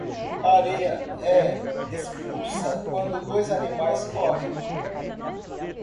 A areia é expulsa quando dois animais correm